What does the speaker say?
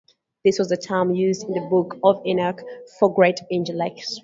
This was the term used in the Book of Enoch for great angel-like spirits.